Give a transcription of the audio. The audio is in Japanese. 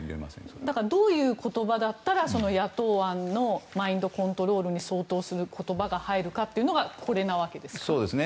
どういう言葉だったら野党案のマインドコントロールに相当する言葉が入るかというのがこれなわけですね。